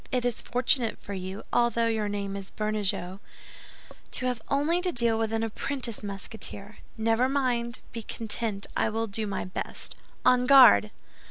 It is fortunate for you, although your name is Bernajoux, to have only to deal with an apprentice Musketeer. Never mind; be content, I will do my best. On guard!"